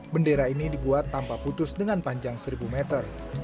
bendera ini dibuat tanpa putus dengan panjang seribu meter